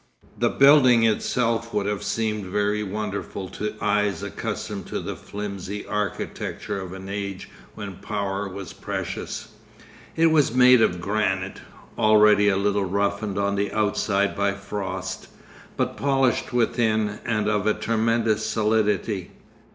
The building itself would have seemed very wonderful to eyes accustomed to the flimsy architecture of an age when power was precious. It was made of granite, already a little roughened on the outside by frost, but polished within and of a tremendous solidity.